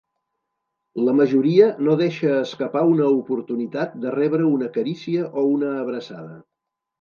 La majoria no deixa escapar una oportunitat de rebre una carícia o una abraçada.